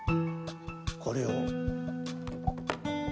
これを。